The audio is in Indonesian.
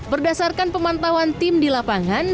berdasarkan pemantauan tim di lapangan